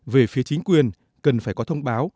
về phía chính quyền cần phải có thông báo